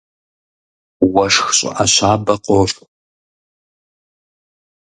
Уэшх щӀыӀэ щабэ къошх.